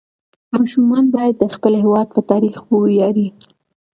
ماشومان باید د خپل هېواد په تاریخ وویاړي.